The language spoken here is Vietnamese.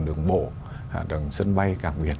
đường bộ hạ tầng sân bay cảng biển